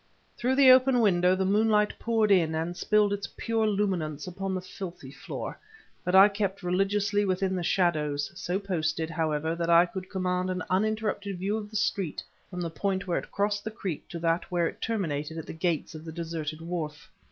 Through the open window the moonlight poured in and spilled its pure luminance upon the filthy floor; but I kept religiously within the shadows, so posted, however, that I could command an uninterrupted view of the street from the point where it crossed the creek to that where it terminated at the gates of the deserted wharf.